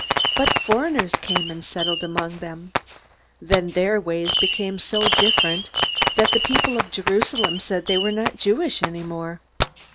But foreigners came and settled among them. Then their ways became so different that the people of Jerusalem said they were not Jewish any more.